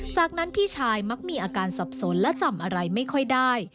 จากนั้นพี่ชายมักมีอาการสับสนและจำอะไรไม่ค่อยได้